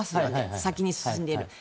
先に進んでいる。